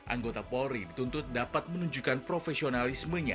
anggota polri dituntut dapat menunjukkan profesionalismenya